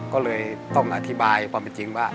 ก็เลยต้องอธิบายความเป็นจริงว่า